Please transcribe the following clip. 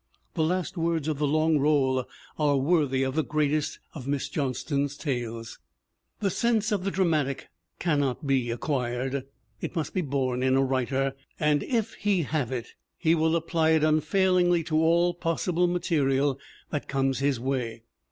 The last words of The Long Roll are worthy of the greatest of Miss Johnston's tales. 136 THE WOMEN WHO MAKE OUR NOVELS The sense of the dramatic cannot be acquired. It must be born in a writer and if he have it he will apply it unfailingly to all possible material that comes his way.